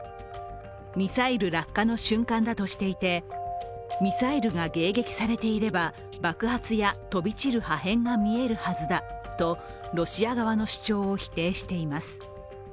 ミサイル落下の瞬間だとしていて、ミサイルが迎撃されていれば爆発や飛び散る破片が見えるはずだとロシア側の主張を否定しています。